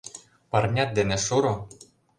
Парнят дене шуро!